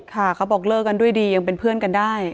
เขาบอกเลิกกันด้วยดียังเป็นเพื่อนกันได้